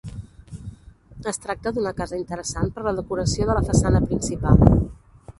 Es tracta d'una casa interessant per la decoració de la façana principal.